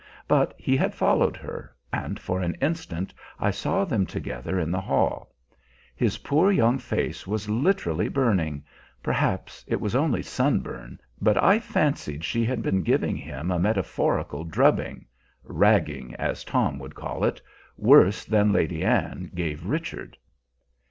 But he had followed her, and for an instant I saw them together in the hall. His poor young face was literally burning; perhaps it was only sunburn, but I fancied she had been giving him a metaphorical drubbing "ragging," as Tom would call it worse than Lady Anne gave Richard.